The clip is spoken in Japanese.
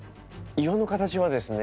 岩の形はですね